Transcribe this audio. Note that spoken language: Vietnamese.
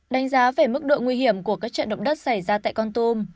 đánh giá về mức độ nguy hiểm của các trận động đất xảy ra tại con tum